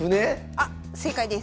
あっ正解です。